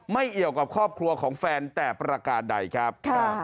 เอี่ยวกับครอบครัวของแฟนแต่ประการใดครับ